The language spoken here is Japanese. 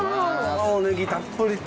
青ネギたっぷりと。